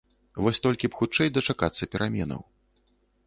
Вось толькі б хутчэй дачакацца пераменаў.